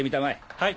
はい。